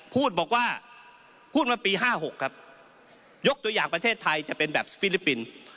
พูดบอกว่าพูดมาปี๕๖ครับยกตัวอย่างประเทศไทยจะเป็นแบบฟิลิปปินส์